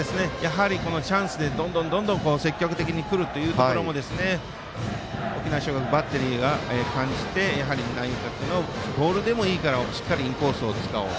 チャンスでどんどん積極的にくるというところも沖縄尚学、バッテリーが感じて内角のボールでもいいからインコースを使おう。